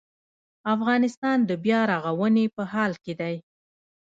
افغانستان د بیا رغونې په حال کې دی